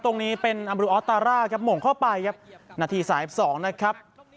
ตรงนี้เป็นอัมรุออสตาร่าครับหม่งเข้าไปครับนาทีสายสองนะครับ